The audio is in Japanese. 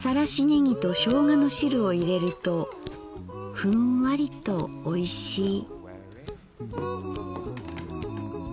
ねぎとしょうがの汁をいれるとフンワリとおいしい」。